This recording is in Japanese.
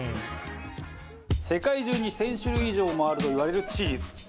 世界中に１０００種類以上もあるといわれるチーズ。